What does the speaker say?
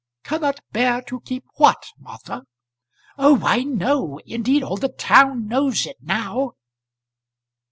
"Cannot bear to keep what, Martha?" "Oh, I know. Indeed all the town knows it now."